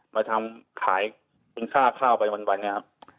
มาทำขายคุณค่าข้าวไปวันเนี่ยครับ